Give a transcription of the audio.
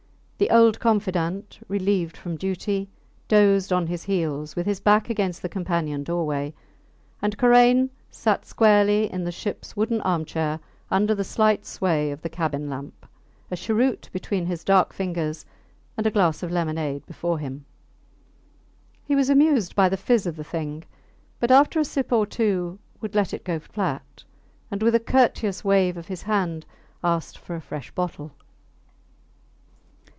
The old confidant, relieved from duty, dozed on his heels, with his back against the companion doorway; and Karain sat squarely in the ships wooden armchair, under the slight sway of the cabin lamp, a cheroot between his dark fingers, and a glass of lemonade before him. He was amused by the fizz of the thing, but after a sip or two would let it get flat, and with a courteous wave of his hand ask for a fresh bottle.